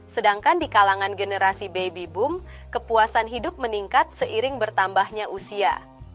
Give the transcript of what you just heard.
sedangkan di kalangan generasi baby boom kepuasan hidup meningkat seiring bertambahnya usia